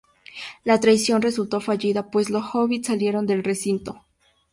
La traición resultó fallida pues los Hobbits salieron del recinto.